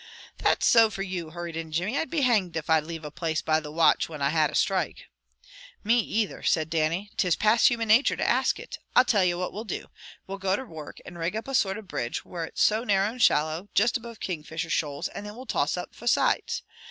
"That's so for you!" hurried in Jimmy. "I'll be hanged if I'd leave a place by the watch whin I had a strike!" "Me either," said Dannie. "'Tis past human nature to ask it. I'll tell ye what we'll do. We'll go to work and rig up a sort of a bridge where it's so narrow and shallow, juist above Kingfisher shoals, and then we'll toss up fra sides.